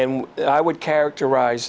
yang dikatakan adalah amerika